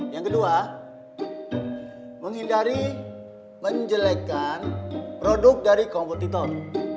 yang kedua menghindari menjelekan produk dari kompetitor